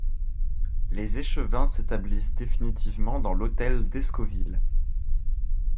Les échevins s’établissent définitivement dans l’hôtel d'Escoville.